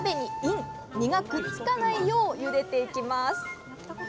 実がくっつかないようゆでていきます。